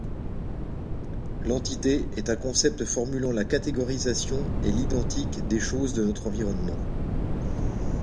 L'entité est un concept formulant la catégorisation et l'identique des choses de notre environnement.